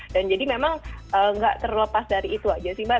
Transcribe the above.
dan jadi memang gak terlepas dari itu aja sih mbak